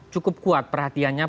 cukup kuat perhatiannya